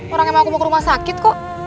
orang yang mau aku mau ke rumah sakit kok